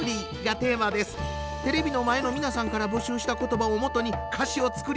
テレビの前の皆さんから募集した言葉を基に歌詞を作りました。